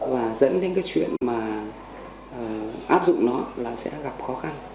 và dẫn đến cái chuyện mà áp dụng nó là sẽ gặp khó khăn